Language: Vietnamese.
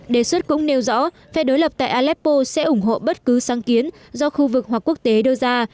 đề xuất cũng nêu rõ phe đối lập tại aleppo sẽ ủng hộ bất cứ sáng kiến do khu vực hoặc quốc tế đưa ra